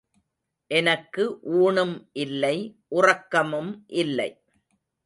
எனக்கு ஊணும் இல்லை உறக்கமும் இல்லை.